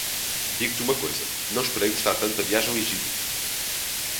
Digo-te uma coisa: não esperei gostar tanto da viagem ao Egipto.